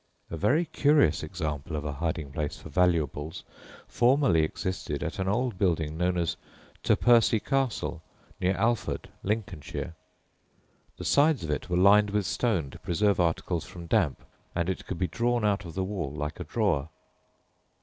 A very curious example of a hiding place for valuables formerly existed at an old building known as Terpersie Castle, near Alford, Lincolnshire. The sides of it were lined with stone to preserve articles from damp, and it could be drawn out of the wall like a drawer.